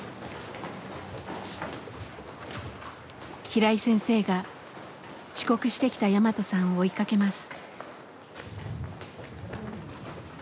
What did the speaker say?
平井先生が遅刻してきたヤマトさんを追いかけます。